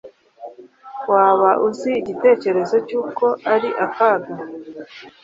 Waba uzi igitekerezo cyuko ari akaga?